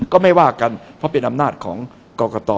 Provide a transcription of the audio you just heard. ก็ไม่ว่ากันเพราะเป็นอำนาจของกรกต